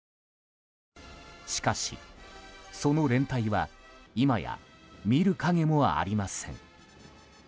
しかし、その連帯は今や見る影もありません。